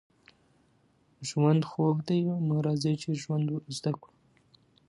ژوند خوږ دی نو راځئ چې ژوند زده کړو